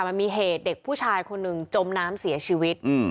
มันมีเหตุเด็กผู้ชายคนหนึ่งจมน้ำเสียชีวิต